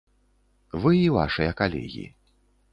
Вы і вашыя калегі.